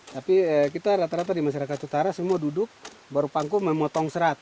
tapi kita rata rata di masyarakat utara semua duduk baru pangku memotong serat